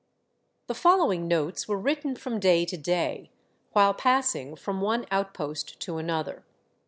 The following notes were written from day to day, while passing from one outpost to another.